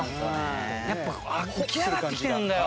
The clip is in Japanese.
やっぱ浮き上がってきてるんだよ。